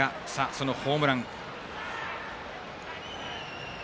そのホームランです。